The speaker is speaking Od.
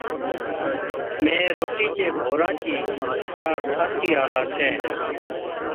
مين روٽِي چي ڀورا چِي قطار ٺاهٿِي آلا ڇَين،